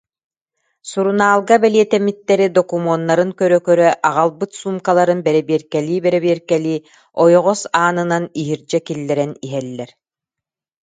Сурунаалга бэлиэтэммиттэри докумуоннарын көрө-көрө, аҕалбыт суумкаларын бэрэбиэркэлии-бэрэбиэркэлии, ойоҕос аанынан иһирдьэ киллэрэн иһэллэр